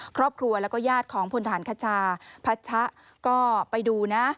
ครอบครัวแล้วก็ญาติของพลฐานคชาพัชะก็ไปดูนะ